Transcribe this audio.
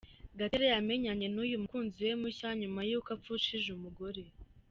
Gatera yamenyanye n’uyu mukunzi we mushya nyuma y’uko apfushije umugore.